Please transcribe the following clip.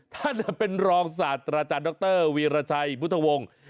ท่านเป็นรองศาสตราจารย์ดรวีรชัยพุทธวงศ์